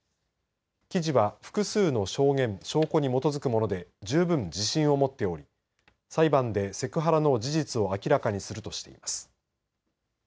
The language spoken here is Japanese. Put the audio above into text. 記事は複数の証言証拠に基づくものでじゅうぶん自信を持っており裁判でセクハラの事実を明らかにするとしています。